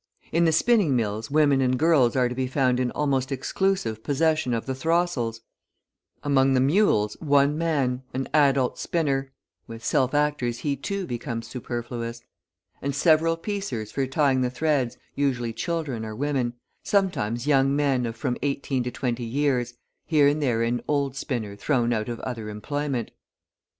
In the spinning mills women and girls are to be found in almost exclusive possession of the throstles; among the mules one man, an adult spinner (with self actors, he, too, becomes superfluous), and several piecers for tying the threads, usually children or women, sometimes young men of from eighteen to twenty years, here and there an old spinner thrown out of other employment.